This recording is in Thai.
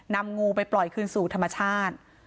นำงูไปปล่อยคืนสู่ธรรมชาติ